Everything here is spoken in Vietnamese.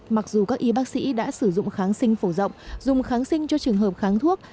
mặc dù các y bác sĩ đã sử dụng kháng sinh phổ rộng dùng kháng sinh cho trường hợp kháng thuốc